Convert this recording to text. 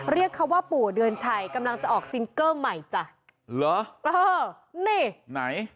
เรียกเขาว่าปู่เดือนชัยกำลังจะออกซิงเกอร์ใหม่จ้ะเหรอเออนี่ไหน